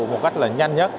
một cách là nhanh nhất